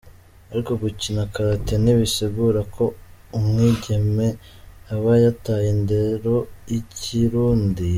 Ariko gukina karate ntibisigura ko umwigeme aba yataye indero y'ikirundi.